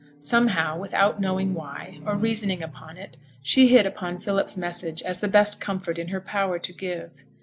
Somehow, without knowing why, or reasoning upon it, she hit upon Philip's message as the best comfort in her power to give.